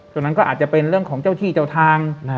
ตรงนั้นก็อาจจะเป็นเรื่องของเจ้าที่เจ้าทาง